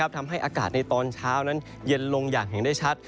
ทำให้อากาศในตอนเช้านั้นเย็นลงอย่างเห็นได้ชัด